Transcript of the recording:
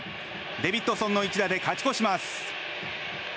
デビッドソンの一打で勝ち越します。